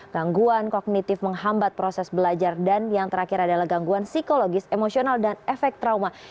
gangguan kognitif menghambat proses belajar dan yang terakhir adalah gangguan psikologis emosional dan efek trauma